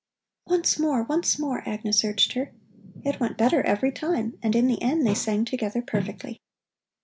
"Once more, once more," Agnes urged her. It went better every time, and in the end they sang together perfectly.